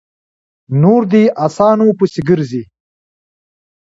نور دې اسانو پسې ګرځي؛